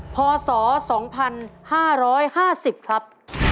พศ๒๕๕๐ครับ